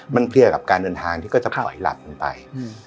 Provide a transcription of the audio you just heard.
มันเพลียกับการเดินทางที่ก็จะปล่อยหลักมันไป